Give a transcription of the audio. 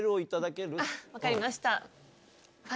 分かりました。